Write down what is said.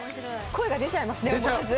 声が出ちゃいますね、思わず。